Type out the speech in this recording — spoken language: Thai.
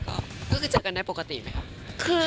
ก็คือเจอกันได้ปกติไหมครับ